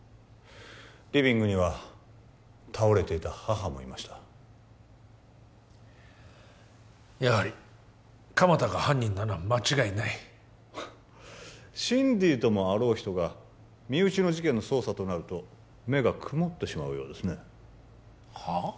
リビングには倒れていた母もいましたやはり鎌田が犯人なのは間違いないシンディーともあろう人が身内の事件の捜査となると目が曇ってしまうようですねはあ？